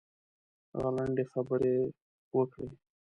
هغه لنډې خبرې وکړې.